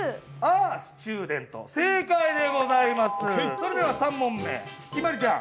それでは３問目ひまりちゃん。